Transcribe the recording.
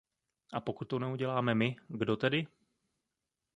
A pokud to neuděláme my, kdo tedy?